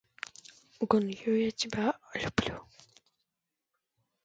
William B. Stout envisioned his traveling machine to be an office on wheels.